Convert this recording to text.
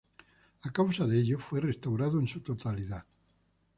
A causa de ello, fue restaurado en su totalidad.